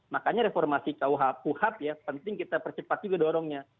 makanya reformasi kuhp ya penting kita percepat juga dorongnya